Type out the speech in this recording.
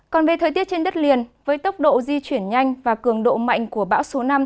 còn về thời tiết trên đất liền với tốc độ di chuyển nhanh và cường độ mạnh của bão số năm